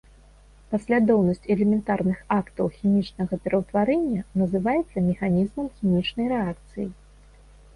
Паслядоўнасць элементарных актаў хімічнага пераўтварэння называецца механізмам хімічнай рэакцыі.